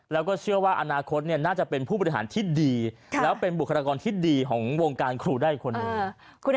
แล้วก็เชื่อว่าอนาคตน่าจะเป็นผู้บริหารที่ดีแล้วเป็นบุคลากรที่ดีของวงการครูได้คนหนึ่ง